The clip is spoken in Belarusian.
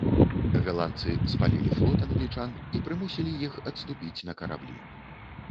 Галандцы спалілі форт англічанін, і прымусілі іх адступіць на караблі.